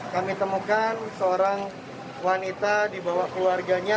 kami temukan seorang wanita dibawa keluarganya